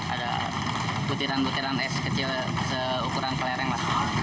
ada butiran butiran es kecil seukuran kelereng lah